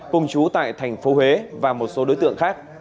cùng chú tại thành phố huế và một số đối tượng khác